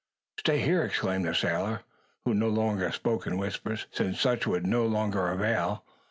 "Stay here!" exclaimed the sailor, who no longer spoke in whispers, since such would no longer avail.